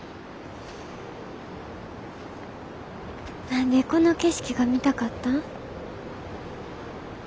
何でこの景色が見たかったん？